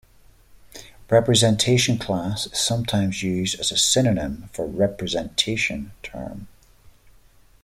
Representation class is sometimes used as a synonym for representation term.